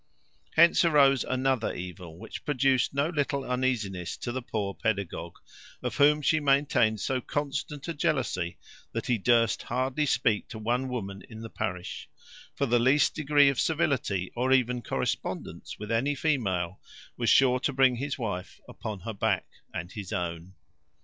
Hence arose another evil, which produced no little uneasiness to the poor pedagogue, of whom she maintained so constant a jealousy, that he durst hardly speak to one woman in the parish; for the least degree of civility, or even correspondence, with any female, was sure to bring his wife upon her back, and his own.